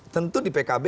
tentu di pkb